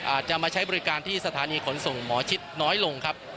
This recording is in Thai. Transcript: อาจจะมาใช้บริการที่สถานีขนส่งหมอชิดน้อยลงครับ